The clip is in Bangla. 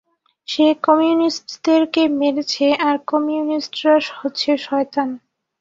সে কমিউনিস্টদেরকে মেরেছে, আর কমিউনিস্টরা হচ্ছে শয়তান!